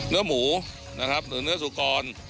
เนื้อหมูหรือเนื้อสุกร